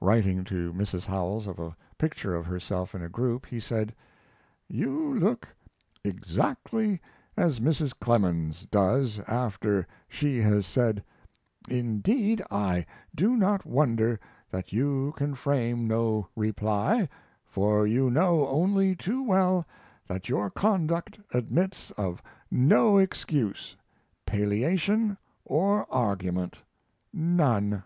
Writing to Mrs. Howells of a picture of herself in a group, he said: You look exactly as Mrs. Clemens does after she has said: "Indeed, I do not wonder that you can frame no reply; for you know only too well that your conduct admits of no excuse, palliation, or argument none!"